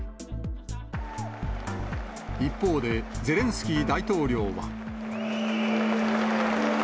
一方で、ゼレンスキー大統領は。